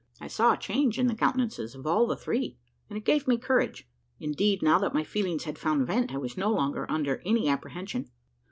I saw a change in the countenances of all the three, and it gave me courage. Indeed, now that my feelings had found vent, I was no longer under any apprehension.